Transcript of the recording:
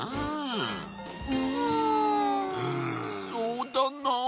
そうだな。